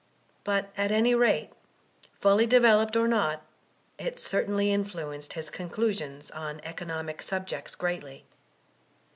But at any rate, fully developed or not, it certainly influenced his conclusions on economic subjects greatly.